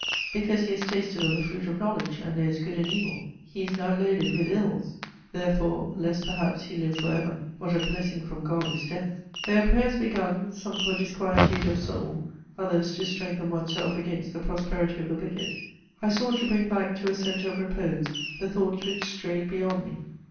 Because he has tasted of the fruit of knowledge, and knows good and evil, he is now loaded with ills: "therefore, lest perhaps he live for ever." What a blessing from God is death! There are prayers begun, some for "disquietude of soul," others "to strengthen one's self against the prosperity of the wicked." I sought to bring back to a centre of repose the thoughts which strayed beyond me.